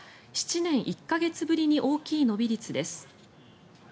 ７年１か月ぶりに大きい伸び率です。